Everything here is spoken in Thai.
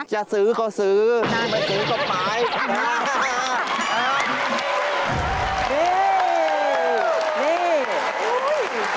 จะซื้อก็ซื้อไม่ซื้อก็ไป